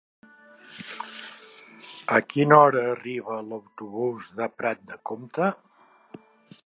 A quina hora arriba l'autobús de Prat de Comte?